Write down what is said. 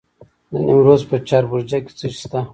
د نیمروز په چاربرجک کې څه شی شته؟